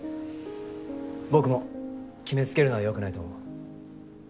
僕も決めつけるのはよくないと思う。